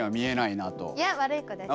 いや悪い子です。